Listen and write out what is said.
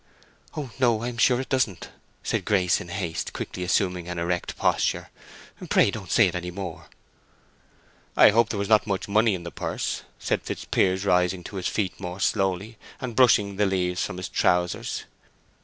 "Oh no, I am sure it doesn't," said Grace in haste, quickly assuming an erect posture. "Pray don't say it any more." "I hope there was not much money in the purse," said Fitzpiers, rising to his feet more slowly, and brushing the leaves from his trousers.